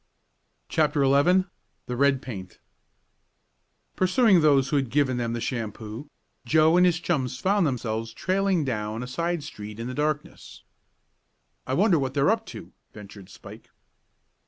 CHAPTER XI THE RED PAINT Pursuing those who had given them the shampoo, Joe and his chums found themselves trailing down a side street in the darkness. "I wonder what they're up to," ventured Spike.